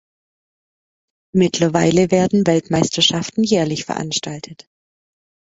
Mittlerweile werden Weltmeisterschaften jährlich veranstaltet.